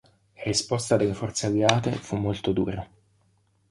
La risposta delle forze alleate fu molto dura.